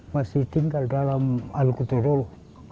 masih tinggal dalam aluk todolo